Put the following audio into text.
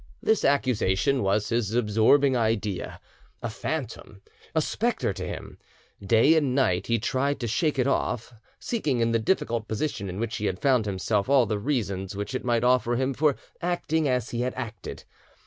This accusation was his absorbing idea, a phantom, a spectre to him; day and night he tried to shake it off, seeking in the difficult position in which he had found himself all the reasons which it might offer him for acting as he had acted.